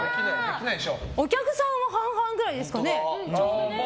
お客さんは半々ぐらいですかね。